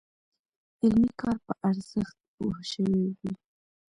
علمي کار په ارزښت پوه شوي وي.